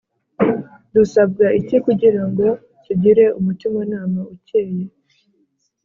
Dusabwa iki kugira ngo tugire umutimanama ukeye